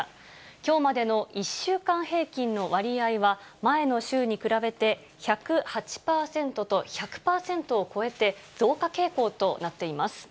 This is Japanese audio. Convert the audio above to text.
きょうまでの１週間平均の割合は、前の週に比べて１０８％と、１００％を超えて増加傾向となっています。